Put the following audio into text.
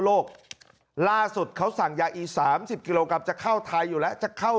โลกล่าสุดเขาสั่งยาอีสามสิบกิโลกรัมจะเข้าไทยอยู่แล้วจะเข้า